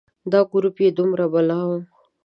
دا ګروپ یې دومره بلا و.